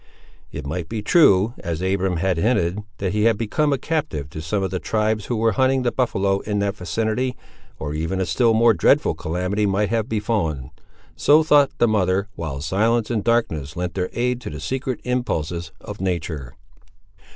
It might be true, as Abiram had hinted, that he had become a captive to some of the tribes who were hunting the buffaloe in that vicinity, or even a still more dreadful calamity might have befallen. So thought the mother, while silence and darkness lent their aid to the secret impulses of nature.